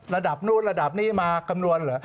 ระดับนู้นระดับนี้มาคำนวณเหรอ